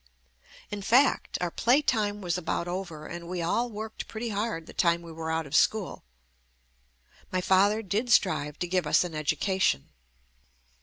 In fact our play time was about over, and we all worked pretty hard the time we were out of school. My father did strive to give us an education.